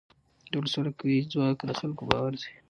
د ولسواکۍ ځواک د خلکو باور دی